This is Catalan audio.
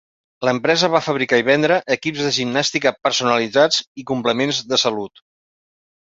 L'empresa va fabricar i vendre equips de gimnàstica personalitzats i complements de salut.